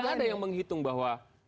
ada yang menghitung bahwa